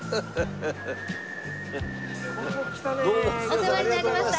お世話になりました